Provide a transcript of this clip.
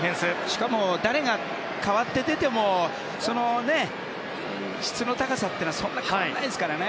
しかも、誰が代わって出ても、質の高さはそんなに変わらないですからね。